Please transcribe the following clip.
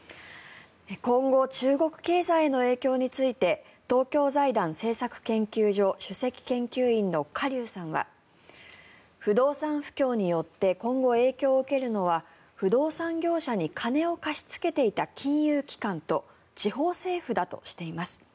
今後、中国経済への影響について東京財団政策研究所主席研究員のカ・リュウさんは不動産不況によって今後、影響を受けるのは不動産業者に金を貸し付けていた金融危機と地方政府だとしています。